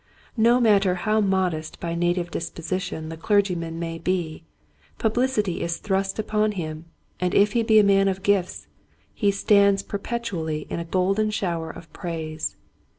No matter how modest by native disposition the clergyman may be, publicity is thrust upon him, and if he be a man of gifts he stands perpetually in a golden shower of praise.